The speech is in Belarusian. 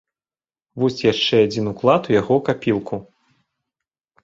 Вось яшчэ адзін уклад у яго капілку.